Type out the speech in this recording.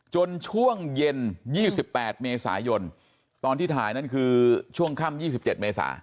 จนช่วงเย็นยี่สิบแปดเมษายนตอนที่ถ่ายนั่นคือช่วงค่ำยี่สิบเจ็ดเมษา